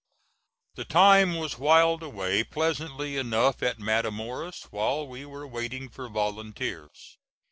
The time was whiled away pleasantly enough at Matamoras, while we were waiting for volunteers.